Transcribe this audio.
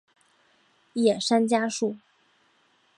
叶山嘉树。